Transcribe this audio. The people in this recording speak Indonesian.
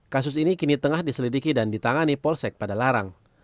kasus ini kini tengah diselidiki dan ditangani polsek pada larang